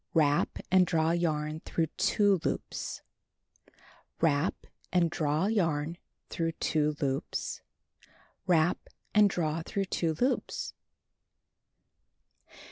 Wrap, and draw j'arn through 2 loops. Wrap, and draw yarn through 2 loops. Wrap, and d r a w through 2 loops.